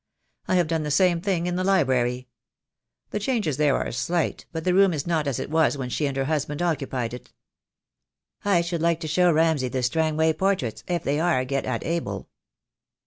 I have done the same thing in the library. The changes there are slight, but the room is not as it was when she and her husband occupied it. "I should like to show Ramsay the Strangway por traits, if they are get at able."